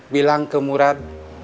bilang ke murad